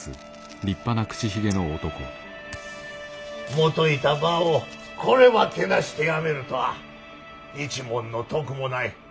元いた場をこればぁけなして辞めるとは一文の得もない。